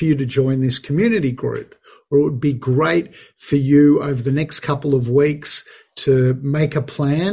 untuk membuat mereka lebih berhubungan dengan orang lain